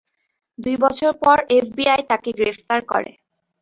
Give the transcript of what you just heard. দুই বছর পর এফবিআই তাকে গ্রেফতার করে।